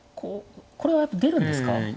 これは出るんですか。